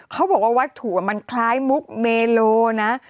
เขาบอกว่าวัตถุมันคล้ายมุกเมโลนะ